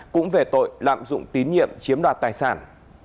cũng về tội lạm dụng tín nhiệm chiếm đoạt tài sản